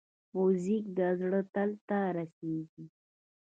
موزیک د زړه تل ته رسېږي.